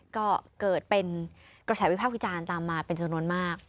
ก็เกิดเป็นกระแสวิพากษ์วิจารณ์ตามมาเป็นจำนวนมาก